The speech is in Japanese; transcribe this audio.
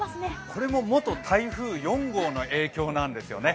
これも元台風４号の影響なんですよね。